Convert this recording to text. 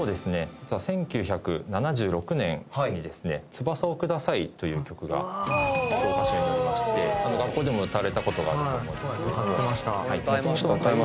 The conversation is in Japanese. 実は１９７６年にですね『翼をください』という曲が教科書に載りまして学校でも歌われたことがあると思うんですけども。